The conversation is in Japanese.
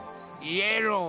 イエロー。